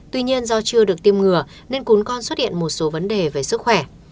tuy nhiên do chưa được tiêm ngừa nên cuốn con xuất hiện một số vấn đề về sức khỏe